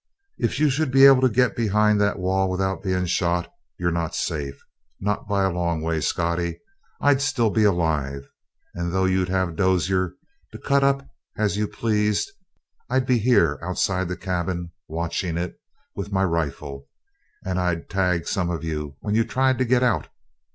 If you should be able to get behind the wall without being shot, you're not safe. Not by a long way, Scottie. I'd still be alive. And, though you'd have Hal Dozier there to cut up as you pleased, I'd be here outside the cabin watching it with my rifle. And I'd tag some of you when you tried to get out.